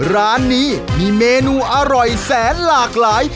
ร้านนี้มีเมนูอร่อยแสนหลากหลาย